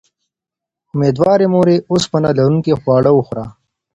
اميدوارې مورې، اوسپنه لرونکي خواړه وخوره